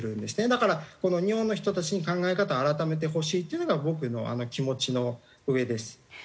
だから日本の人たちに考え方を改めてほしいっていうのが僕の気持ちのうえです。